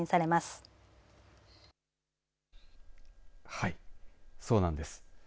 はい、そうなんです。